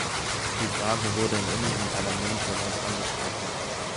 Die Frage wurde in unserem Parlament bereits angesprochen.